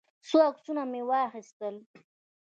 څو عکسونه مې واخیستل.